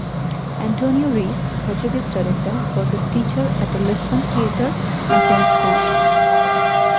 Antonio Reis, Portuguese director, was his teacher at the Lisbon Theatre and Film School.